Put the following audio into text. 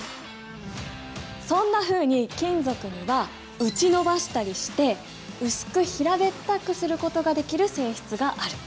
そんなふうに金属には打ち延ばしたりして薄く平べったくすることができる性質がある。